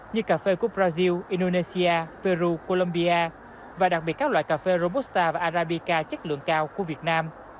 như cà phê của brazil indonesia peru colombia và đặc biệt các loại cà phê robusta và arabica chất lượng cao của việt nam